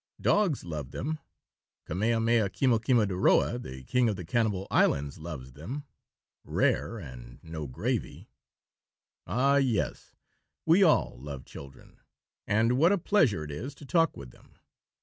Dogs love them. Kamehame Kemokimodahroah, the King of the Cannibal Islands, loves them. Rare and no gravy. Ah, yes, we all love children. And what a pleasure it is to talk with them!